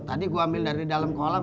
tadi gue ambil dari dalam kolam